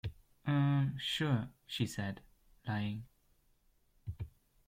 Um... sure, she said, lying.